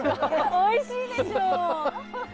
おいしいでしょ！